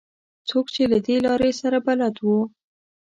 څوک چې له دې لارې سره بلد وو.